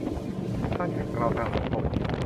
การขัดเกลาทางสังคม